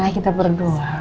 nah kita berdoa